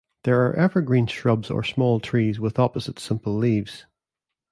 They are evergreen shrubs or small trees with opposite, simple leaves.